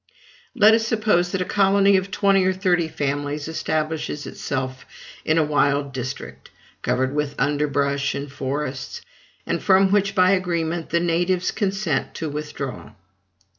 Let us suppose that a colony of twenty or thirty families establishes itself in a wild district, covered with underbrush and forests; and from which, by agreement, the natives consent to withdraw.